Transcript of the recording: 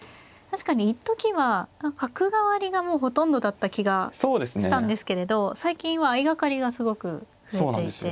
確かに一時は角換わりがもうほとんどだった気がしたんですけれど最近は相掛かりがすごく増えていて。